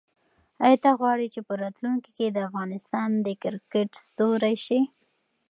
آیا ته غواړې چې په راتلونکي کې د افغانستان د کرکټ ستوری شې؟